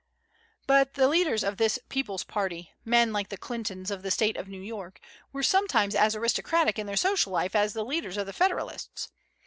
But the leaders of this "people's party," men like the Clintons of the State of New York, were sometimes as aristocratic in their social life as the leaders of the Federalists.